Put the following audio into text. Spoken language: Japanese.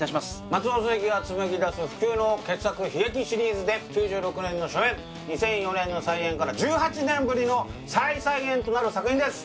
松尾スズキが紡ぎ出す不朽の傑作悲劇シリーズで９６年の初演２００４年の再演から１８年ぶりの再々演となる作品です